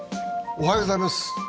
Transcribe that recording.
おはようございます。